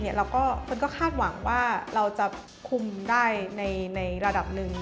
คนก็คาดหวังว่าเราจะคุมได้ในระดับหนึ่ง